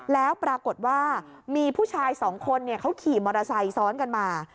แล้วปรากฏว่ามีผู้ชายสองคนเขาขี่มอเตอร์ไซค์ซ้อนกันมา